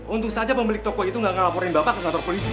untung saja pemilik toko itu nggak ngelaporin bapak ke kantor polisi